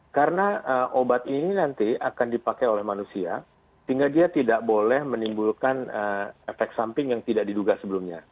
karena obat ini nanti akan dipakai oleh manusia sehingga dia tidak boleh menimbulkan efek samping yang tidak diduga sebelumnya